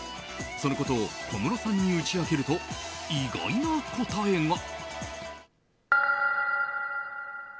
そのことを小室さんに打ち明けると、意外な答えが。